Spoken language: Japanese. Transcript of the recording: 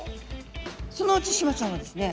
そのうちシマちゃんはですね